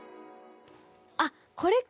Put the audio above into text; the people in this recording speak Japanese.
あっこれか！